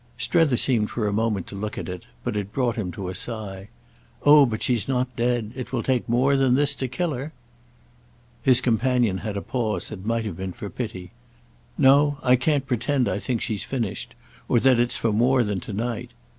Strether seemed for a moment to look at it; but it brought him to a sigh. "Oh but she's not dead! It will take more than this to kill her." His companion had a pause that might have been for pity. "No, I can't pretend I think she's finished—or that it's for more than to night."